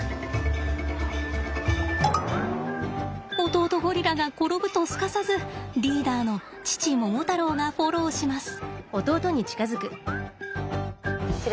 弟ゴリラが転ぶとすかさずリーダーの父モモタロウがフォローします。